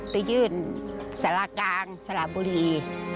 ไปยื่นสารกลางสระบุรี